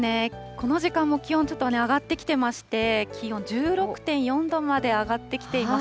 この時間も気温、ちょっと上がってきてまして、気温１６．４度まで上がってきています。